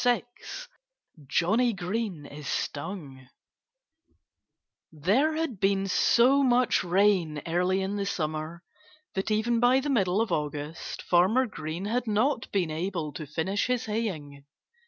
VI JOHNNIE GREEN IS STUNG There had been so much rain early in the summer that even by the middle of August Farmer Green had not been able to finish his haying.